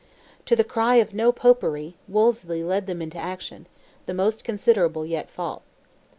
To the cry of "No Popery," Wolseley led them into an action, the most considerable yet fought.